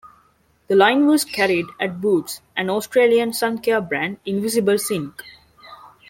The line was carried at Boots, and Australian suncare brand Invisible Zinc.